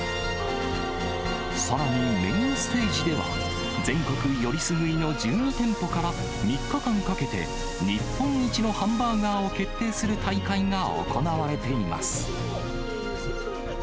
さらに、メインステージでは、全国よりすぐりの１２店舗から、３日間かけて日本一のハンバーガーを決定する大会が行われています。